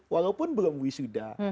walaupun belum wisuda